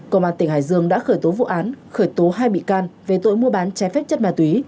công an tỉnh hải dương đã khởi tố vụ án khởi tố hai bị can về tội mua bán trái phép chất ma túy